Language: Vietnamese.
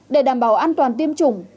để đảm bảo an toàn tiêm chủng